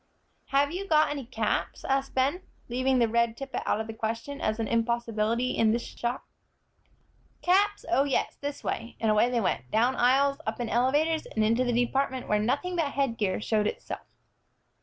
"Have you got any caps?" asked Ben, leaving the red tippet out of the question as an impossibility in this shop. "Caps? Oh, yes, this way," and away they went, down aisles, up in elevators, and into the department where nothing but headgear showed itself.